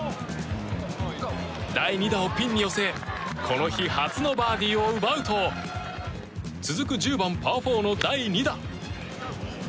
第２打をピンに寄せこの日初のバーディーを奪うと続く１０番、パー４の第２打。